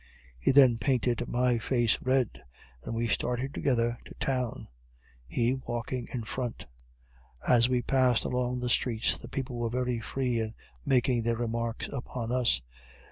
He then painted my face red, and we started together to town, he walking in front. As we passed along the streets the people were very free in making their remarks upon us.